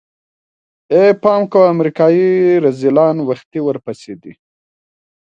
ای پام کوه امريکايي رذيلان وختي ورپسې دي.